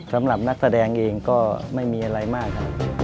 สำหรับนักแสดงเองก็ไม่มีอะไรมากครับ